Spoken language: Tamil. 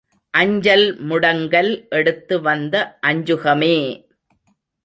அஞ்சல் முடங்கல் எடுத்து வந்த அஞ்சுகமே!